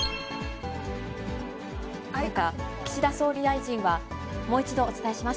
岸田総理大臣は、もう一度お伝えします。